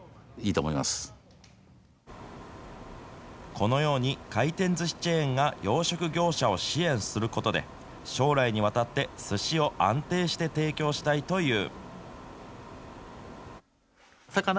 このように回転ずしチェーンが養殖業者を支援することで、将来にわたってすしを安定して提供したいという。